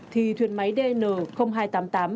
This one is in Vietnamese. thì thuyền máy dn hai trăm tám mươi tám